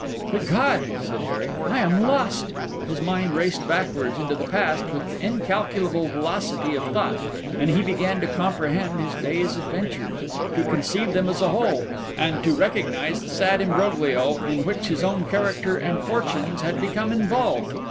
"Good God!" said Harry, "I am lost!" His mind raced backwards into the past with the incalculable velocity of thought, and he began to comprehend his day's adventures, to conceive them as a whole, and to recognise the sad imbroglio in which his own character and fortunes had become involved.